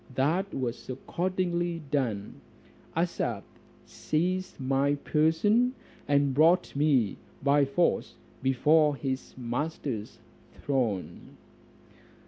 That was accordingly done. Asaph seized my person, and brought me by force before his master's throne.